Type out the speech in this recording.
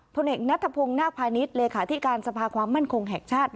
โธงเอกณัตภพงษ์ณภานิษย์เหลคาที่การสภาพความมั่นคงแห่งชาติ